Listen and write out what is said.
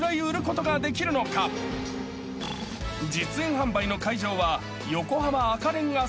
［実演販売の会場は］